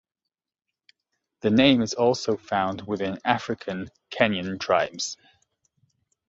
The name is also found within African Kenyan tribes.